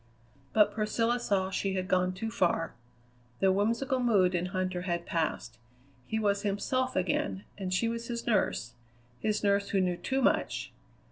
But Priscilla saw she had gone too far. The whimsical mood in Huntter had passed. He was himself again, and she was his nurse his nurse who knew too much!